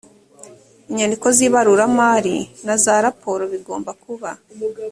inyandiko z ibaruramari na za raporo bigomba kuba